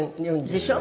「でしょ？」